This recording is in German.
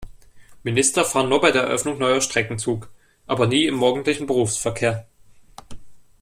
Minister fahren nur bei der Eröffnung neuer Strecken Zug, aber nie im morgendlichen Berufsverkehr.